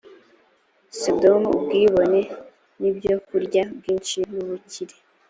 sodomu ubwibone n ibyokurya byinshi n ubukire